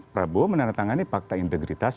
prabowo menandatangani fakta integritas